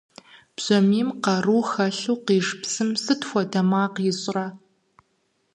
Бжьамийм къару хэлъу къиж псым сыт хуэдэ макъ ищӀрэ?